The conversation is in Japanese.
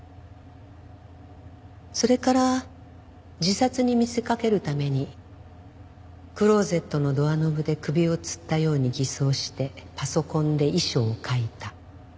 それから自殺に見せかけるためにクローゼットのドアノブで首をつったように偽装してパソコンで遺書を書いた。